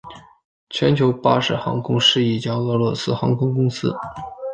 全球巴士航空是一家俄罗斯航空公司。